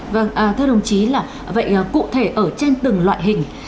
vâng thưa đồng chí là vậy cụ thể ở trên từng loại hình